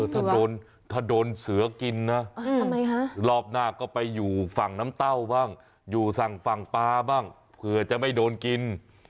ถ้าโดนเสือกินนะรอบหน้าก็ไปอยู่ฝั่งน้ำเต้าบ้างอยู่ฝั่งปลาบ้างเผื่อจะไม่โดนกิน